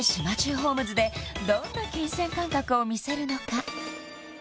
ホームズでどんな金銭感覚を見せるのか？